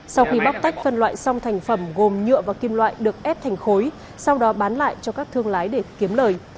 sau khi bóc tách phân loại xong thành phẩm gồm nhựa và kim loại được ép thành khối sau đó bán lại cho các thương lái để kiếm lời